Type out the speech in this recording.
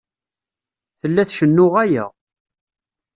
Tella tcennu ɣaya.